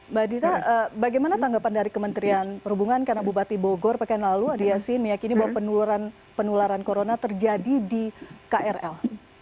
mbak dita bagaimana tanggapan dari kementerian perhubungan karena bupati bogor pekan lalu adiasi meyakini bahwa penularan corona terjadi di krl